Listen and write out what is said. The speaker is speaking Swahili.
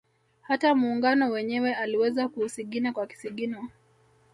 Hata Muungano wenyewe aliweza kuusigina kwa kisigino